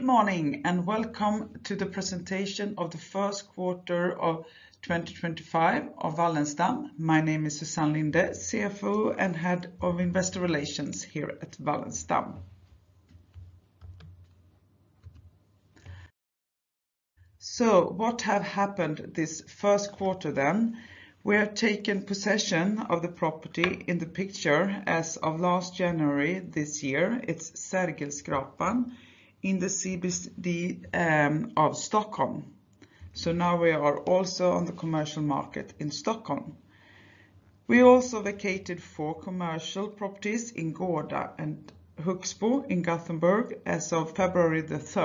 Good morning and welcome to the presentation of the first quarter of 2025 of Wallenstam. My name is Susann Linde, CFO and Head of Investor Relations here at Wallenstam. What has happened this first quarter then? We have taken possession of the property in the picture as of last January this year. It is Sergelgatan in the city of Stockholm. Now we are also on the commercial market in Stockholm. We also vacated four commercial properties in Gårdsten and Högsbo in Gothenburg as of February 3.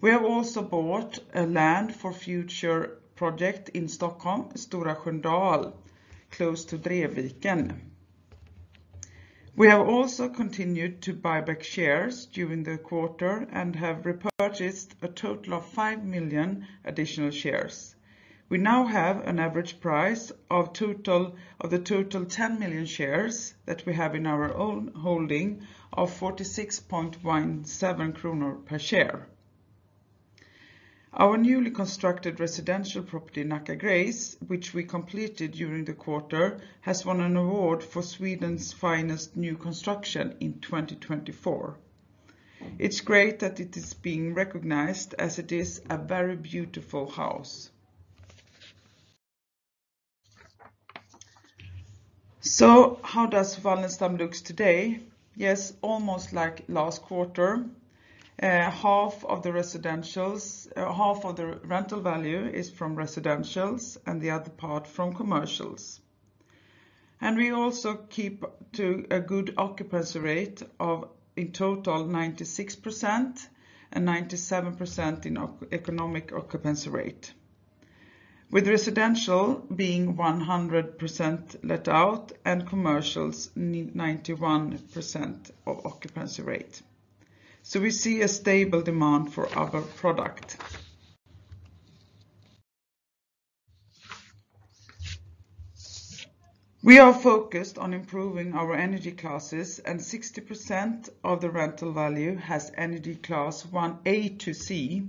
We have also bought land for a future project in Stockholm, Stora Sköndal, close to Drevviken. We have also continued to buy back shares during the quarter and have repurchased a total of 5 million additional shares. We now have an average price of the total 10 million shares that we have in our own holding of 46.17 kronor per share. Our newly constructed residential property Nacka Grace, which we completed during the quarter, has won an award for Sweden's finest new construction in 2024. It is great that it is being recognized as it is a very beautiful house. How does Wallenstam look today? Yes, almost like last quarter. Half of the rental value is from residentials and the other part from commercials. We also keep to a good occupancy rate of, in total, 96% and 97% in economic occupancy rate, with residential being 100% let out and commercials 91% occupancy rate. We see a stable demand for our product. We are focused on improving our energy classes, and 60% of the rental value has energy class A to C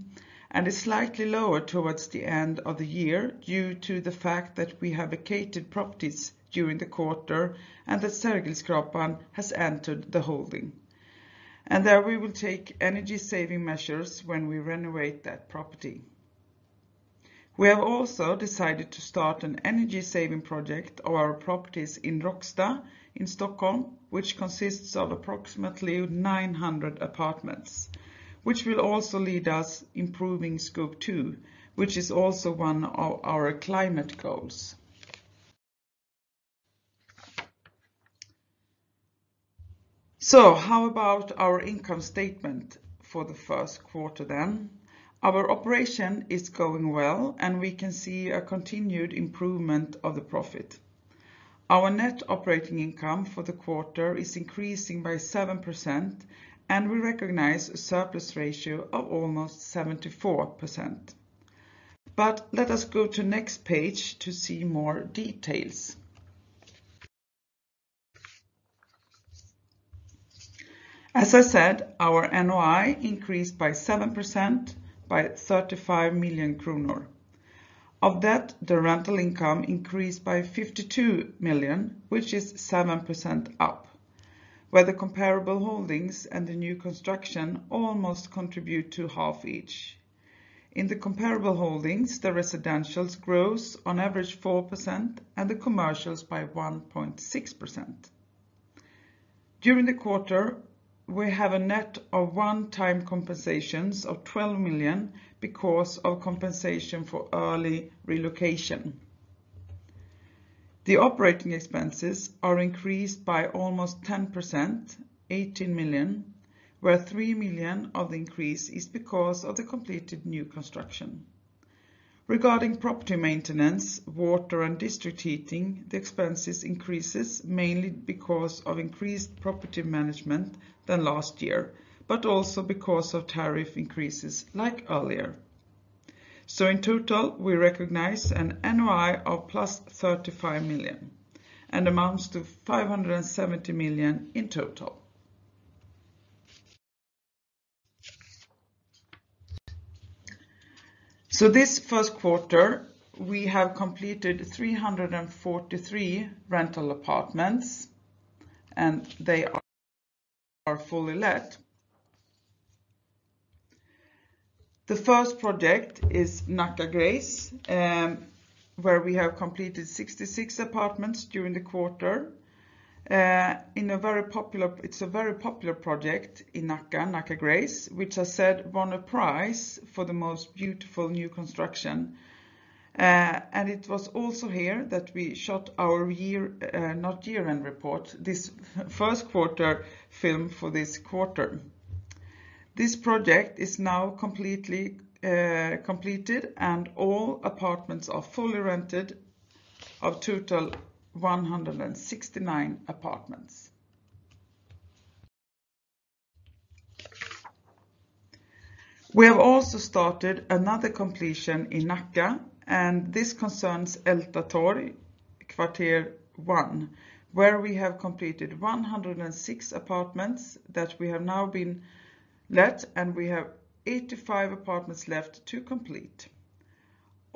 and is slightly lower towards the end of the year due to the fact that we have vacated properties during the quarter and that Sergelgatan has entered the holding. There we will take energy-saving measures when we renovate that property. We have also decided to start an energy-saving project of our properties in Råcksta in Stockholm, which consists of approximately 900 apartments, which will also lead us to improving Scope 2, which is also one of our climate goals. How about our income statement for the first quarter then? Our operation is going well, and we can see a continued improvement of the profit. Our net operating income for the quarter is increasing by 7%, and we recognize a surplus ratio of almost 74%. Let us go to the next page to see more details. As I said, our NOI increased by 7% by 35 million kronor. Of that, the rental income increased by 52 million, which is 7% up, where the comparable holdings and the new construction almost contribute to half each. In the comparable holdings, the residentials rose on average 4% and the commercials by 1.6%. During the quarter, we have a net of one-time compensations of 12 million because of compensation for early relocation. The operating expenses are increased by almost 10%, 18 million, where 3 million of the increase is because of the completed new construction. Regarding property maintenance, water, and district heating, the expenses increase mainly because of increased property management than last year, but also because of tariff increases like earlier. In total, we recognize an NOI of plus 35 million and amounts to 570 million in total. This first quarter, we have completed 343 rental apartments, and they are fully let. The first project is Nacka Grace, where we have completed 66 apartments during the quarter. It is a very popular project in Nacka, Nacka Grace, which has won a prize for the most beautiful new construction. It was also here that we shot our year-end report, this first quarter film for this quarter. This project is now completely completed, and all apartments are fully rented of total 169 apartments. We have also started another completion in Nacka, and this concerns Ältas Kvarter 1, where we have completed 106 apartments that we have now been let, and we have 85 apartments left to complete.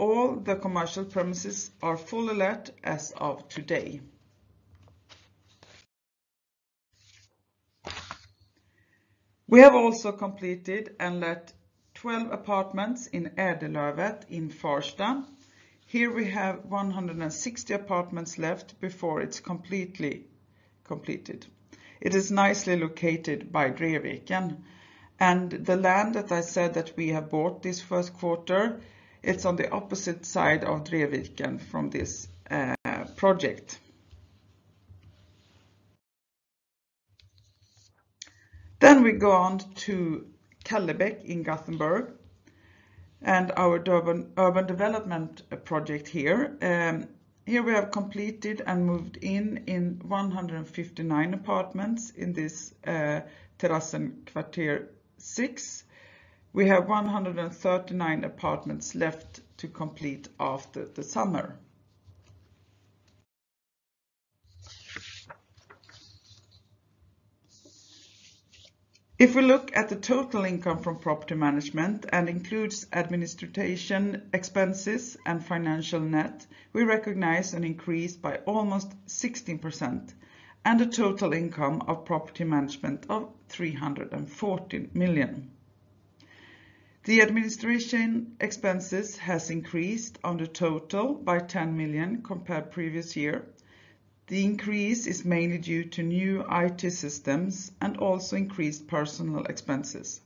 All the commercial premises are fully let as of today. We have also completed and let 12 apartments in Ädellövet in Farsta. Here we have 160 apartments left before it's completely completed. It is nicely located by Drevviken, and the land that I said that we have bought this first quarter, it's on the opposite side of Dreviken from this project. We go on to Kallebäck in Gothenburg and our urban development project here. Here we have completed and moved in 159 apartments in this Terrassen Kvarter 6. We have 139 apartments left to complete after the summer. If we look at the total income from property management and includes administration expenses and financial net, we recognize an increase by almost 16% and a total income of property management of 340 million. The administration expenses have increased on the total by 10 million compared to the previous year. The increase is mainly due to new IT systems and also increased personnel expenses.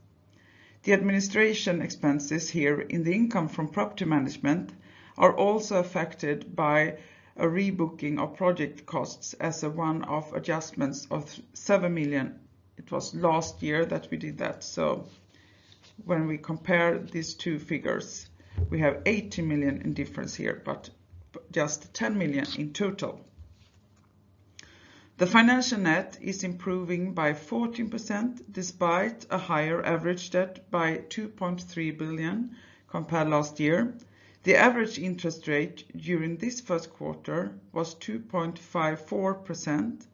The administration expenses here in the income from property management are also affected by a rebooking of project costs as one of adjustments of 7 million. It was last year that we did that. When we compare these two figures, we have 80 million in difference here, but just 10 million in total. The financial net is improving by 14% despite a higher average debt by 2.3 billion compared to last year. The average interest rate during this first quarter was 2.54%,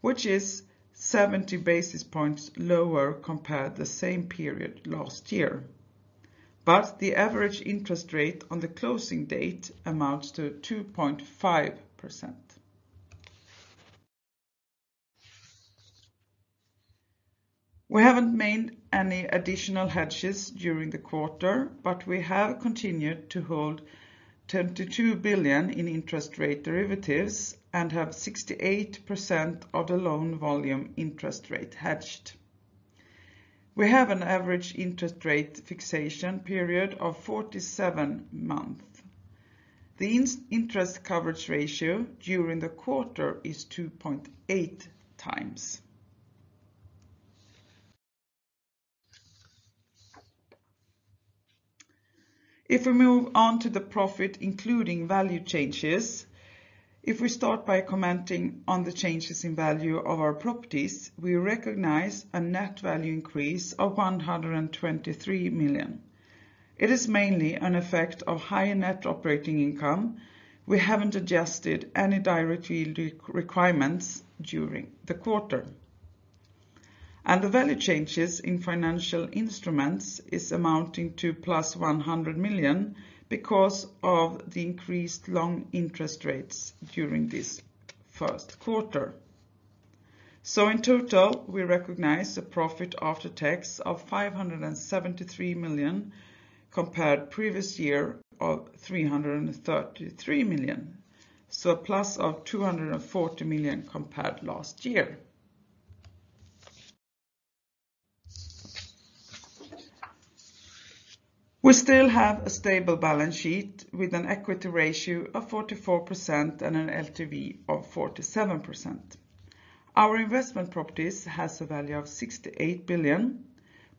which is 70 basis points lower compared to the same period last year. The average interest rate on the closing date amounts to 2.5%. We haven't made any additional hedges during the quarter, but we have continued to hold 22 billion in interest rate derivatives and have 68% of the loan volume interest rate hedged. We have an average interest rate fixation period of 47 months. The interest coverage ratio during the quarter is 2.8 times. If we move on to the profit including value changes, if we start by commenting on the changes in value of our properties, we recognize a net value increase of 123 million. It is mainly an effect of higher net operating income. We haven't adjusted any direct yield requirements during the quarter. The value changes in financial instruments are amounting to plus 100 million because of the increased long interest rates during this first quarter. In total, we recognize a profit after tax of 573 million compared to the previous year of 333 million. A plus of 240 million compared to last year. We still have a stable balance sheet with an equity ratio of 44% and an LTV of 47%. Our investment properties have a value of 68 billion.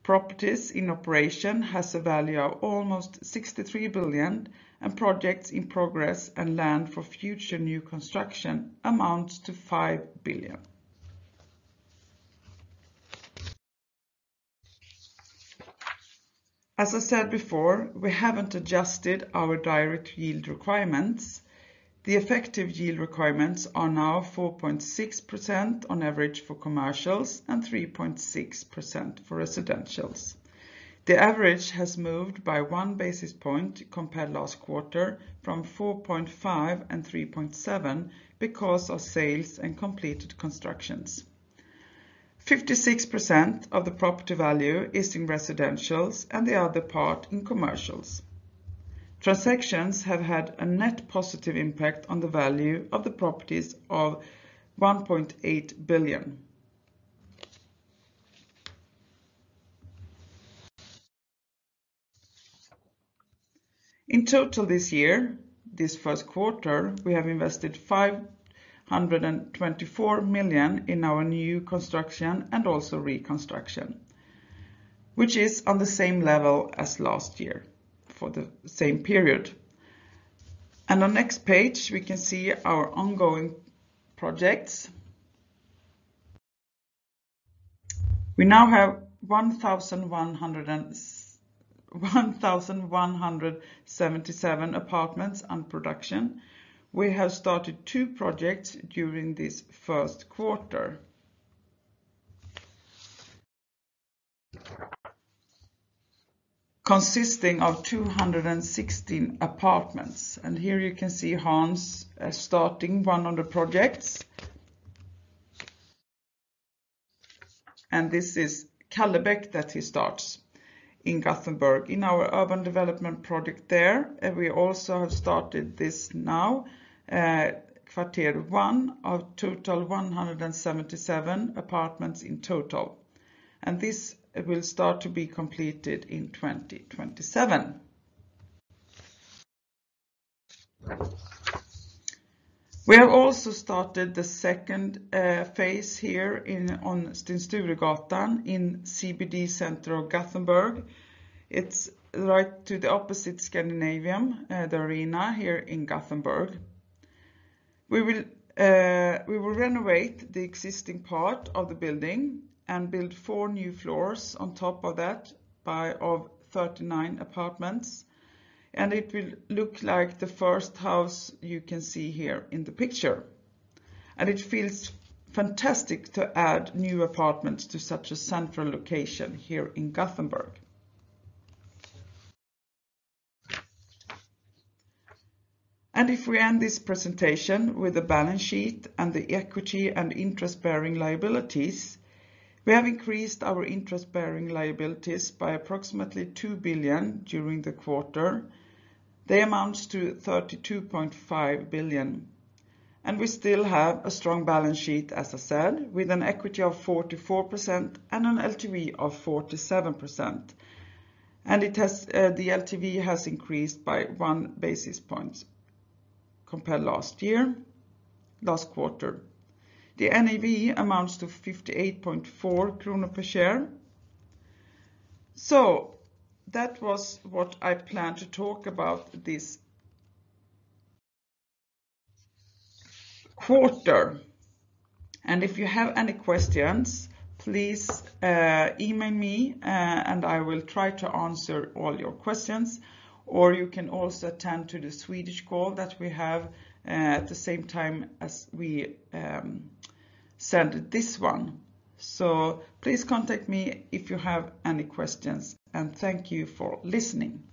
Properties in operation have a value of almost 63 billion, and projects in progress and land for future new construction amount to 5 billion. As I said before, we have not adjusted our direct yield requirements. The effective yield requirements are now 4.6% on average for commercials and 3.6% for residentials. The average has moved by one basis point compared to last quarter from 4.5 and 3.7 because of sales and completed constructions. 56% of the property value is in residentials and the other part in commercials. Transactions have had a net positive impact on the value of the properties of 1.8 billion. In total this year, this first quarter, we have invested 524 million in our new construction and also reconstruction, which is on the same level as last year for the same period. On the next page, we can see our ongoing projects. We now have 1,177 apartments under production. We have started two projects during this first quarter, consisting of 216 apartments. Here you can see Hans starting one of the projects. This is Kallebäck that he starts in Gothenburg in our urban development project there. We have also started this now, Kvarter 1, of total 177 apartments in total. This will start to be completed in 2027. We have also started the second phase here on Sten Sturegatan in CBD center of Gothenburg. It is right to the opposite Scandinavian, the Arena here in Gothenburg. We will renovate the existing part of the building and build four new floors on top of that of 39 apartments. It will look like the first house you can see here in the picture. It feels fantastic to add new apartments to such a central location here in Gothenburg. If we end this presentation with a balance sheet and the equity and interest-bearing liabilities, we have increased our interest-bearing liabilities by approximately 2 billion during the quarter. They amount to 32.5 billion. We still have a strong balance sheet, as I said, with an equity of 44% and an LTV of 47%. The LTV has increased by one basis point compared to last year, last quarter. The NAV amounts to 58.4 kronor per share. That was what I planned to talk about this quarter. If you have any questions, please email me, and I will try to answer all your questions. You can also attend the Swedish call that we have at the same time as we send this one. Please contact me if you have any questions. Thank you for listening.